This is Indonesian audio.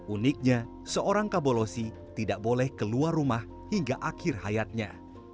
uniknya seorang kabolosi tidak boleh keluar rumah hingga akhir hayatnya